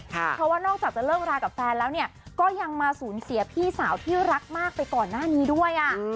เพราะว่านอกจากจะเลิกรากับแฟนแล้วเนี่ยก็ยังมาสูญเสียพี่สาวที่รักมากไปก่อนหน้านี้ด้วย